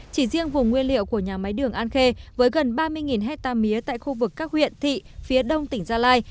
chỉ riêng vùng nguyên liệu của nhà máy đường an khê với gần ba mươi hectare mía tại khu vực các huyện thị phía đông tỉnh gia lai